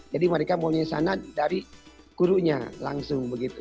jadi mereka mau nyisana dari gurunya langsung begitu